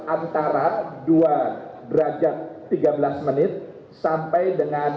antara dua tiga belas sampai dengan empat tiga belas